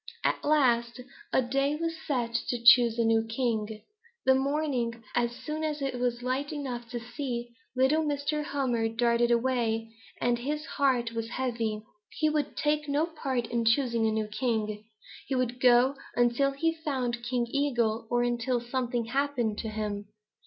At last a day was set to choose a new king. That morning, as soon as it was light enough to see, little Mr. Hummer darted away, and his heart was heavy. He would take no part in choosing a new king. He would go until he found King Eagle or until something happened to him.